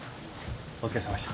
お疲れさまでした。